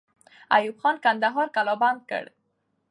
ایوب خان کندهار قلابند کړ.